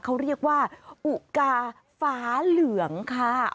เขาเรียกว่าอุกาฟ้าเหลืองค่ะ